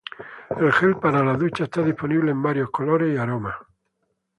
El gel para ducha está disponible en varios colores y aromas.